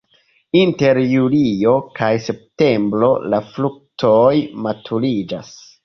Inter julio kaj septembro la fruktoj maturiĝas.